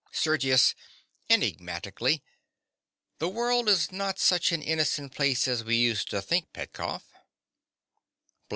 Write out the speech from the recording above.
SERGIUS. (enigmatically). The world is not such an innocent place as we used to think, Petkoff.